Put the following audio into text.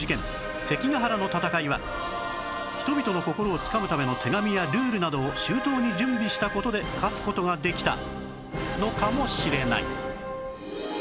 関ヶ原の戦いは人々の心をつかむための手紙やルールなどを周到に準備した事で勝つ事ができたのかもしれない